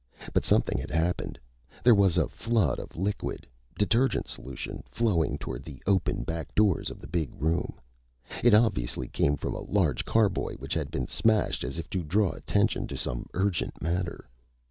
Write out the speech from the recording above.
But something had happened. There was a flood of liquid detergent solution flowing toward the open back doors of the big room. It obviously came from a large carboy which had been smashed as if to draw attention to some urgent matter.